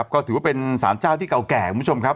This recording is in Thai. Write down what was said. ก็ถือว่าเป็นสานเจ้าที่เก่าแก่